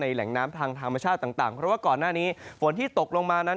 แหล่งน้ำทางธรรมชาติต่างเพราะว่าก่อนหน้านี้ฝนที่ตกลงมานั้น